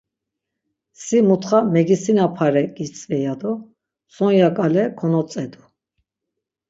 Si mutxa megisinapare, gitzvi, yado Sonya ǩale konotzedu.